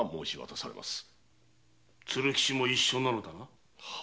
鶴吉も一緒なのだな。